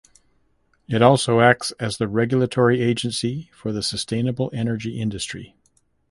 It also acts as the regulatory agency for the sustainable energy industry.